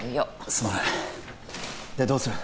すまないでどうする？